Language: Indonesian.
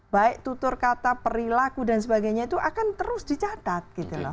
baik tutur kata perilaku dan sebagainya itu akan terus dicatat gitu loh